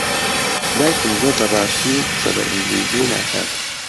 دایکم زۆر بەباشی قسە بە ئینگلیزی ناکات.